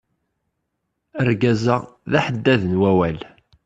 Argaz-a, d aḥeddad n wawal.